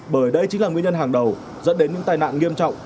bởi đây chính là nguyên nhân hàng đầu dẫn đến những tai nạn nghiêm trọng